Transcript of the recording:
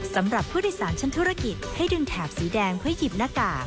สำหรับผู้โดยสารชั้นธุรกิจให้ดึงแถบสีแดงเพื่อหยิบหน้ากาก